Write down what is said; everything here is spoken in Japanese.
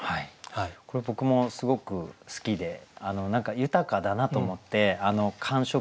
これ僕もすごく好きで何か豊かだなと思って感触。